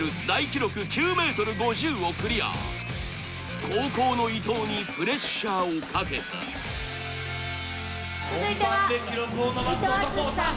記録９ｍ５０をクリア後攻の伊藤にプレッシャーをかけた続いては伊藤淳史さん